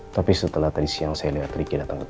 tapi setelah tadi siang saya lihat ricky datang ke tempat ini